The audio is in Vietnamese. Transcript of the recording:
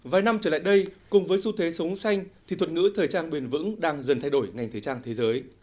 vài năm trở lại đây cùng với xu thế sống xanh thì thuật ngữ thời trang bền vững đang dần thay đổi ngành thời trang thế giới